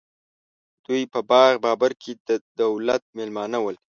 دوی په باغ بابر کې د دولت مېلمانه ول.